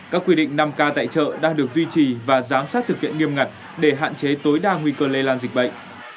các quy định năm k tại chợ đang được duy trì và giám sát thực hiện nghiêm ngặt để hạn chế tối đa nguy cơ lây lan dịch bệnh